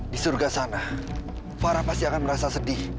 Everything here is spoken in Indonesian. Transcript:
di surga sana farah pasti akan merasa sedih